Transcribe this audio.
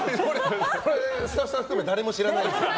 スタッフさん含め誰も知らないです。